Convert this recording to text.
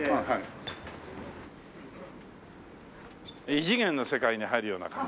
異次元の世界に入るような感じ。